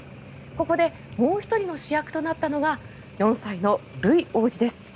ここでもう１人の主役となったのが４歳のルイ王子です。